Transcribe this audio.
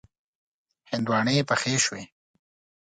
هندواڼی پخې شوې.